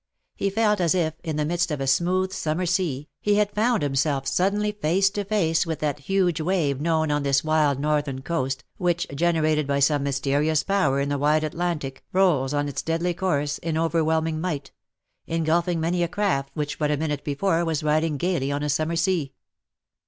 He felt as if^ in the midst of a smooth summer sea, he had found himself suddenly face to face with that huge wave known on this wild northern coast, which_, generated by some mysterious power in the wide Atlantic, rolls on its deadly course in over whelming might j engulfing many a craft which but a minute before was riding gaily on a summer sea.